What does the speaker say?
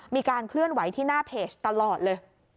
มีการเคลื่อนไหวที่หน้าเพจตลอดเลย